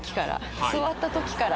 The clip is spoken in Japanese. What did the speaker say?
座ったときから。